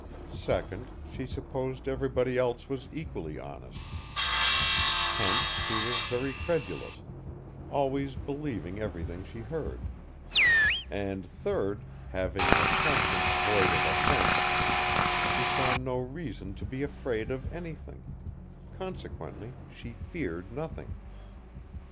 Second, she supposed everybody else was equally honest; hence she was very credulous, always believing everything she heard. And third, having "a conscience void of offense," she saw no reason to be afraid of anything; consequently, she feared nothing.